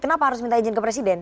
kenapa harus minta izin ke presiden